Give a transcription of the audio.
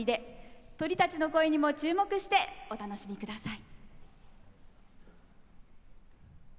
鳥たちの声にも注目してお楽しみください。